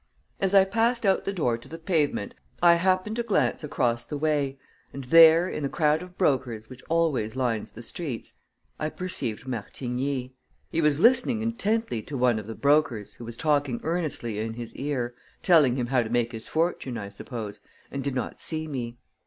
As I passed out the door to the pavement, I happened to glance across the way, and there, in the crowd of brokers which always lines the street, I perceived Martigny. He was listening intently to one of the brokers, who was talking earnestly in his ear telling him how to make his fortune, I suppose and did not see me.